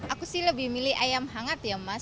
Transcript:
aku sih lebih milih ayam hangat ya mas